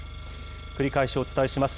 繰り返しお伝えします。